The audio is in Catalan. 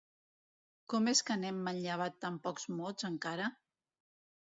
¿Com és que n'hem manllevat tan pocs mots, encara?